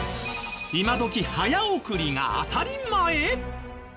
今どき早送りが当たり前！？